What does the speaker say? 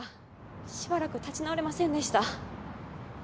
しばらく立ち直れませんでした。